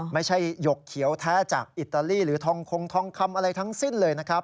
หยกเขียวแท้จากอิตาลีหรือทองคงทองคำอะไรทั้งสิ้นเลยนะครับ